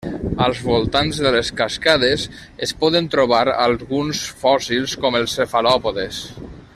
Als voltants de les cascades es poden trobar alguns fòssils, com els cefalòpodes.